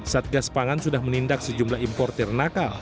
satgas pangan sudah menindak sejumlah importer nakal